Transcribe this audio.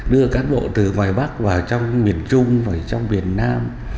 đưa cán bộ từ ngoài bắc vào trong miền trung và trong miền nam